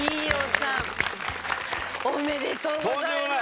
おめでとうございます。